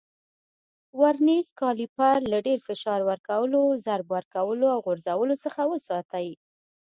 ورنیز کالیپر له ډېر فشار ورکولو، ضرب ورکولو او غورځولو څخه وساتئ.